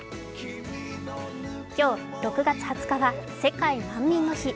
今日、６月２０日は世界難民の日。